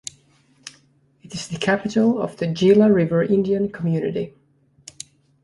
It is the capital of the Gila River Indian Community.